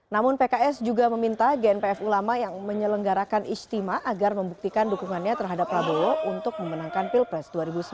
namun pks juga meminta gnpf ulama yang menyelenggarakan istimewa agar membuktikan dukungannya terhadap prabowo untuk memenangkan pilpres dua ribu sembilan belas